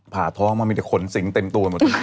ผ่าท้องมันมีแต่ขนสิงเต็มตัวหมด